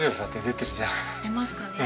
出ますかね。